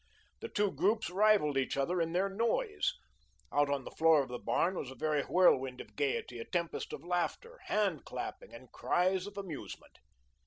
The two groups rivalled each other in their noise. Out on the floor of the barn was a very whirlwind of gayety, a tempest of laughter, hand clapping and cries of amusement.